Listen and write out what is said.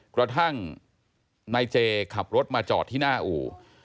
กระทั่งนายเจขับรถมาจอดที่หน้าอู่